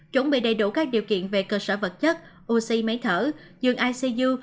chuẩn bị đầy đủ các điều kiện về cơ sở vật chất oxy máy thở dường icu